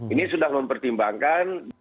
ini sudah mempertimbangkan